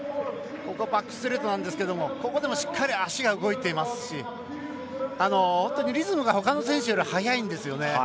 バックストレートなんですがここでもしっかり足が動いていますしリズムがほかの選手より早いんですよね。